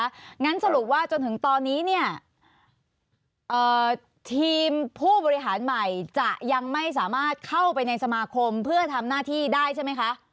งั้นสรุปว่าจนถึงตอนนี้เนี่ยทีมผู้บริหารใหม่จะยังไม่สามารถเข้าไปในสมาคมเพื่อทำหน้าที่ได้ใช่ไหมคะ